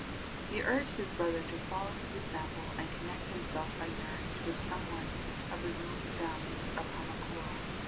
He urged his brother to follow his example and connect himself by marriage with some one of the ruling families of Hamakua.